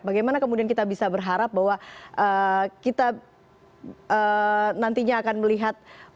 bagaimana kemudian kita bisa berharap bahwa kita nantinya akan melihat